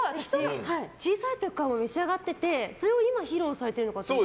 小さい時から召し上がっててそれを今、披露されてるのかと。